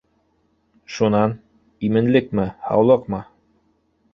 - Шунан, именлекме-һаулыҡмы?